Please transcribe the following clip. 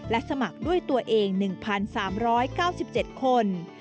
สมัครด้วยตัวเอง๑๓๙๗คน